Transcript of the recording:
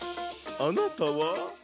あなたは？